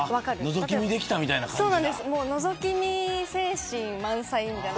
のぞき見できたみたいな感じか。